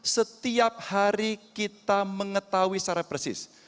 setiap hari kita mengetahui secara persis